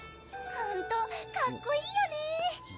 ・ほんとかっこいいよね・